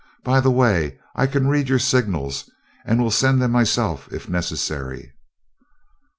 By the way, I can read your signals, and will send them myself if necessary."